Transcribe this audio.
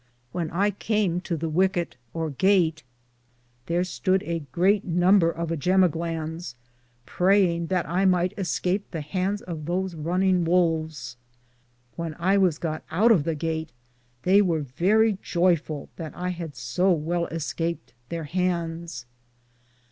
When I cam to the wickett or gate, thare stood a great number of jemoglanes, praying that I myghte escape the handes of those runninge wolves ; when I was got out of the gate they weare verrie joyfull that I had so well escaped their handes.